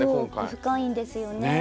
奧深いんですよね。